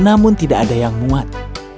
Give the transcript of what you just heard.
namun tidak ada yang muat